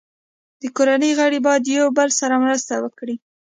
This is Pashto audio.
د کورنۍ غړي باید یو بل سره مرسته وکړي.